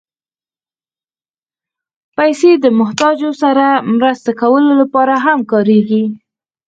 پېسې د محتاجانو سره مرسته کولو لپاره هم کارېږي.